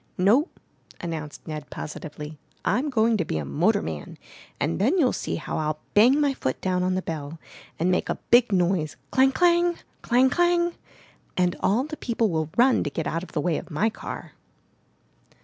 "No," announced Ned positively, "I'm going to be a motorman, and then you'll see how Til bang my foot down on the bell and make a big noise, clang, clang! clang, clang! and all the people will run to get out of the way of my car!"